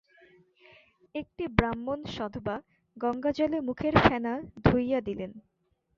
একটি ব্রাহ্মণ সধবা গঙ্গাজলে মুখের ফেনা ধুইয়া দিলেন।